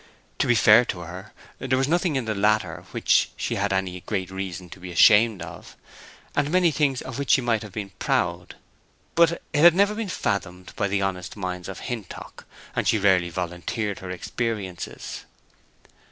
To be fair to her, there was nothing in the latter which she had any great reason to be ashamed of, and many things of which she might have been proud; but it had never been fathomed by the honest minds of Hintock, and she rarely volunteered her experiences.